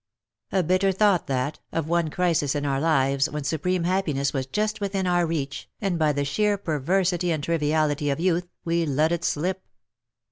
A bitter thought, that, of one crisis in our fives when supreme happiness was just within our reach, and by the sheer perversity and triviality of youth we let it slip.